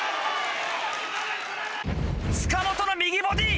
塚本の右ボディー！